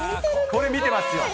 これ、見てますよ。